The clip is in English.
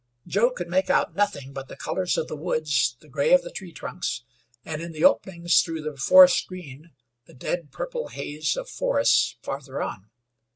Joe could make out nothing but the colors of the woods, the gray of the tree trunks, and, in the openings through the forest green, the dead purple haze of forests farther on.